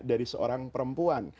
dari seorang perempuan